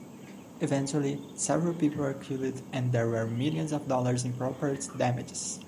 Eventually, several people were killed and there were millions of dollars in property damages.